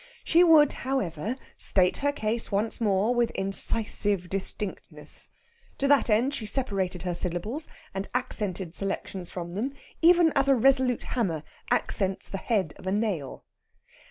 She would, however, state her case once more with incisive distinctness. To that end she separated her syllables, and accented selections from them, even as a resolute hammer accents the head of a nail.